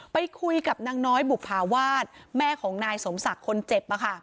ไปคุยกับนางน้อยบุภาวาสแม่ของนายสมศักดิ์คนเจ็บ